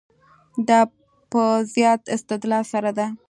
دا په زیات استدلال سره ده.